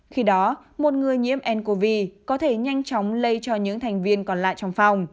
khi đó một người nhiễm ncov có thể nhanh chóng lây cho những thành viên còn lại trong phòng